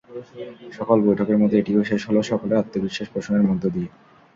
সকল বৈঠকের মতো এটিও শেষ হলো সকলের আত্মবিশ্বাস পোষণের মধ্য দিয়ে।